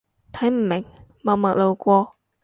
睇唔明，默默路過